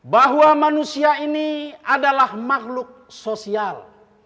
bahwa manusia ini adalah makhluk sosial